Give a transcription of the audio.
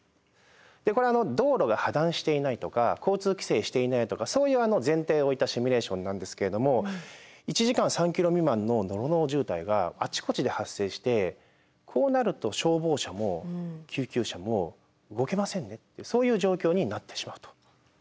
これ道路が破断していないとか交通規制していないとかそういう前提を置いたシミュレーションなんですけれども１時間３キロ未満ののろのろ渋滞があちこちで発生してこうなるとそういう状況になってしまうと。